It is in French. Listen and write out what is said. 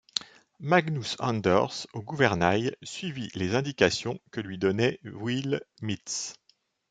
Magnus Anders, au gouvernail, suivit les indications que lui donnait Will Mitz.